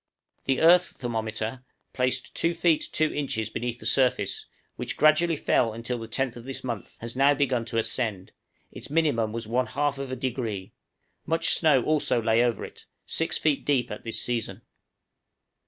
The earth thermometer placed 2 feet 2 inches beneath the surface which gradually fell until the 10th of this month, has now begun to ascend; its minimum was +1/2°; much snow also lay over it, 6 feet deep at this season.